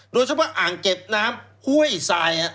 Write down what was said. โดยเฉพาะอ่างเก็บน้ำห่วยทราย